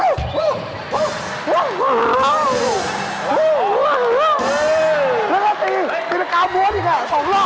เริ่มมาตีตีละ๙บวนอีก๒รอด